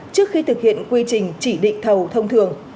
trước khi thực hiện quy trình chỉ định thầu thông thường